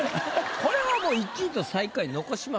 これはもう１位と最下位残しましょう。